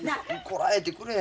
こらえてくれ。